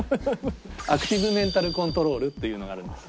アクティブメンタルコントロールというのがあるんですよ。